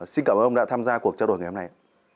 xin cảm ơn ông đã tham gia cuộc trao đổi ngày hôm nay